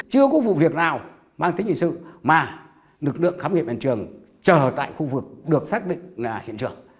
chưa có vụ việc nào mang tính hình sự mà lực lượng khám nghiệm hiện trường chờ tại khu vực được xác định là hiện trường